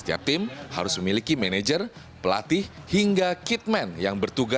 setiap tim harus memiliki manajer pelatih hingga kitman yang bertugas